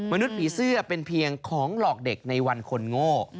มนุษย์ผีเสื้อเป็นเพียงของหลอกเด็กในวันคนโง่